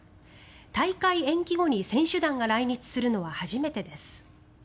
大会延期後に選手団が来日するのは初めてです。